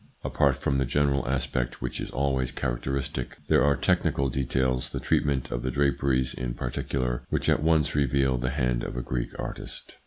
Apart from the general aspect which is always characteristic, there are tech nical details, the treatment of the draperies in par ticular, which at once reveal the hand of a Greek artist.